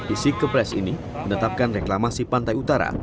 isi kepres ini menetapkan reklamasi pantai utara